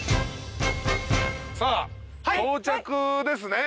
さあ到着ですね。